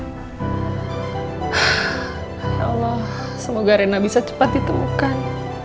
ya allah semoga darena bisa cepat ditemukan